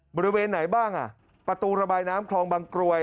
บริเวณไหนบ้างอ่ะประตูระบายน้ำคลองบางกรวย